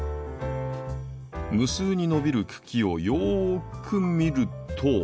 無数に伸びる茎をよく見ると。